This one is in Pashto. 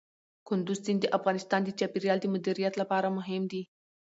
کندز سیند د افغانستان د چاپیریال د مدیریت لپاره مهم دي.